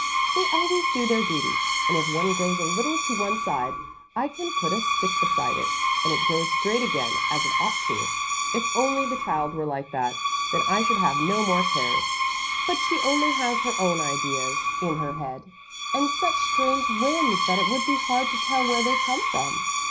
"They always do their duty, and if one grows a little to one side, I can put a stick beside it and it grows straight again as it ought to. If only the child were like that, then I should have no more cares. But she only has her own ideas in her head, and such strange whims that it would be hard to tell where they come from."